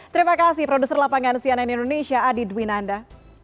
terima kasih produser lapangan cnn indonesia adi dwi nanda